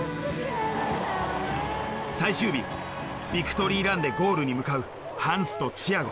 最終日ビクトリーランでゴールに向かうハンスとチアゴ。